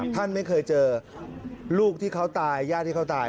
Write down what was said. ท่านไม่เคยเจอลูกที่เขาตายญาติที่เขาตาย